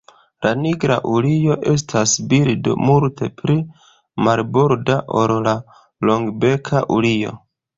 La Nigra urio estas birdo multe pli marborda ol la Longbeka urio.